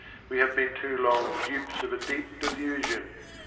We have been too long Dupes of a deep delusion